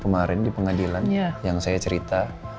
kemarin di pengadilan yang saya cerita